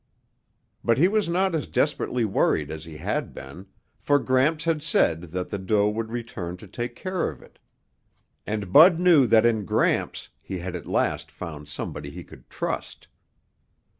But he was not as desperately worried as he had been, for Gramps had said that the doe would return to take care of it. And Bud knew that in Gramps he had at last found somebody he could trust.